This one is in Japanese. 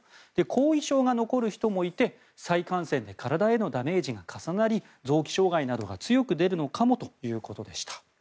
後遺症が残る人もいて再感染で体へのダメージが重なり臓器障害などが強く出るかもということでした。